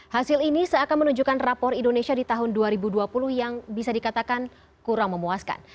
hasil ini seakan menunjukkan rapor indonesia di tahun dua ribu dua puluh yang bisa dikatakan kurang memuaskan